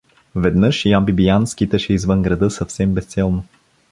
Веднъж Ян Бибиян скиташе извън града съвсем безцелно.